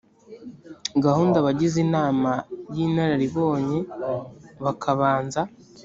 gahunda abagize inama y inararibonye bakabanza